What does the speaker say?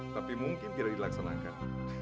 tapi mungkin tidak dilaksanakan